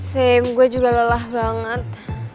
sam gue juga lelah banget